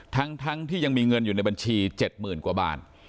ทั้งที่ยังมีเงินอยู่ในบัญชี๗๐๐๐กว่าบาท